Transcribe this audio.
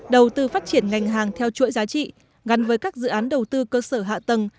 đầu tư phát triển ngành hàng theo chuỗi giá trị gắn với các dự án đầu tư cơ sở hạ tầng